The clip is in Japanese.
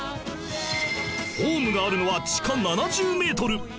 ホームがあるのは地下７０メートル